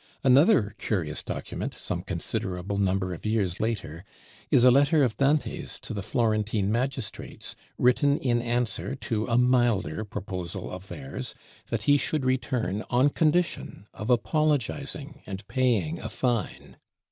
Another curious document, some considerable number of years later, is a Letter of Dante's to the Florentine Magistrates, written in answer to a milder proposal of theirs, that he should return on condition of apologizing and paying a fine.